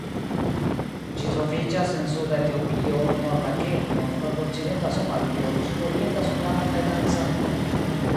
Ĝi troviĝas en suda Etiopio, norda Kenjo, nordokcidenta Somalio, sudorienta Sudano kaj Tanzanio.